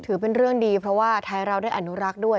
ถือเป็นเรื่องดีเพราะว่าไทยเราได้อนุรักษ์ด้วย